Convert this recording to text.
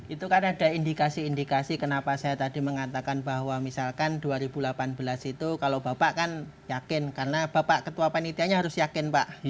itu kan ada indikasi indikasi kenapa saya tadi mengatakan bahwa misalkan dua ribu delapan belas itu kalau bapak kan yakin karena bapak ketua panitianya harus yakin pak